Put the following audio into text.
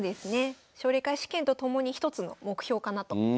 奨励会試験とともに一つの目標かなと思います。